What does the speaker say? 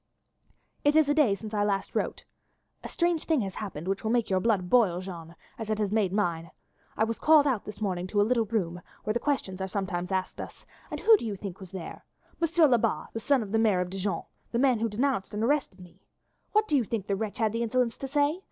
"It is a day since I wrote last. A strange thing has happened which will make your blood boil, Jeanne, as it has made mine. I was called out this morning to a little room where questions are sometimes asked us, and who do you think was there? M. Lebat, the son of the Maire of Dijon the man who denounced and arrested me. What do you think the wretch had the insolence to say?